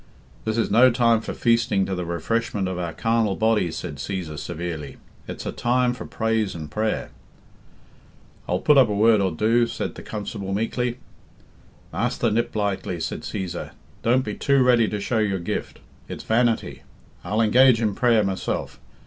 "This is no time for feasting to the refreshment of our carnal bodies," said Cæsar severely. "It's a time for praise and prayer." "I'll pud up a word or dwo," said the Constable meekly. "Masther Niplightly," said Cæsar, "don't be too ready to show your gift. It's vanity. I'll engage in prayer myself."